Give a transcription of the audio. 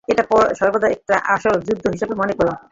এটাকে সর্বদা একটা আসল যুদ্ধ হিসেবে মনে করো।